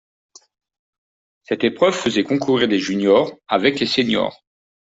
Cette épreuve faisait concourir les juniors avec les seniors.